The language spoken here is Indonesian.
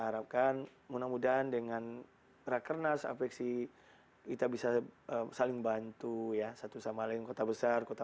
harapkan mudah mudahan dengan rakernas apeksi kita bisa saling bantu ya satu sama lain kota besar kota